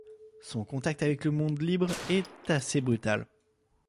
Son contact avec le monde libre est assez brutal.